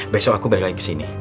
besok aku balik lagi kesini